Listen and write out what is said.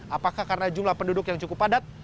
apakah karena jumlah penduduk yang cukup padat